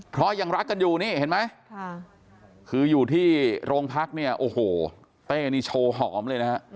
เพราะยังรักกันอยู่นี่เห็นไหมคืออยู่ที่โรงพักเนี่ยโอ้โหเต้นี่โชว์หอมเลยนะฮะ